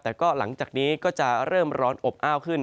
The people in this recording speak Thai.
แต่ก็หลังจากนี้ก็จะเริ่มร้อนอบอ้าวขึ้น